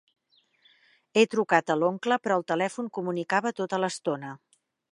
He trucat a l'oncle, però el telèfon comunicava tota l'estona.